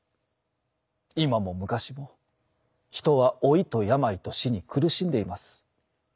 今も昔も人は老いと病と死に苦しんでいます。